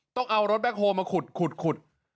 ต้องเอารถแบคโฮมาขุดขุดขุด